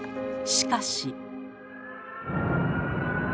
しかし。